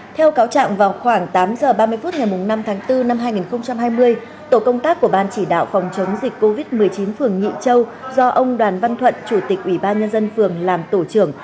theo cáo trạng vào khoảng tám h ba mươi phút ngày năm tháng bốn năm hai nghìn hai mươi tổ công tác của ban chỉ đạo phòng chống dịch covid một mươi chín phường nhị châu do ông đoàn văn thuận chủ tịch ủy ban nhân dân phường làm tổ trưởng